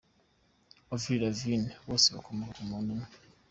Avril Lavigne, Bose bakomoka ku muntu umwe.